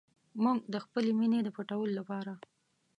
موږ د خپلې مینې د پټولو لپاره.